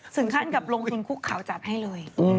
ถึงขั้นกับลงทุนคุกเขาจัดให้เลย